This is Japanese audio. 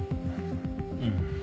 うん。